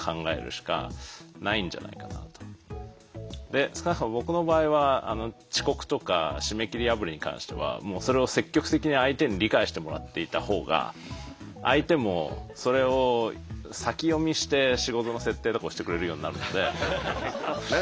で少なくとも僕の場合は遅刻とか締め切り破りに関してはもうそれを積極的に相手に理解してもらっていた方が相手もそれを先読みして仕事の設定とかをしてくれるようになるので。